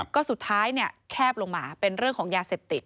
ก็สุดท้ายแคบลงมาเป็นเรื่องของยาเสพติด